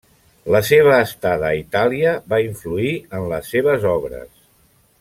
La seva estada a Itàlia va influir en les seves obres.